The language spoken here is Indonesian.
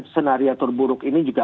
senario terburuk ini juga